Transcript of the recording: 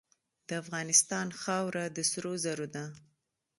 د افغانستان خاوره د سرو زرو ده.